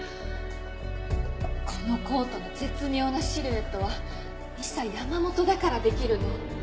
このコートの絶妙なシルエットはミサヤマモトだからできるの。